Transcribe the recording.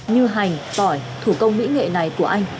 như hành tỏi thủ công mỹ nghệ này của anh